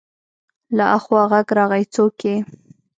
له اخوا غږ راغی: څوک يې؟